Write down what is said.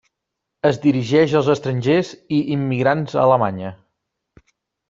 Es dirigeix als estrangers i immigrants a Alemanya.